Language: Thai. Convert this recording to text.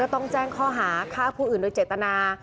ต้องแจ้งข้อหาฆ่าผู้อื่นโดยเจตนา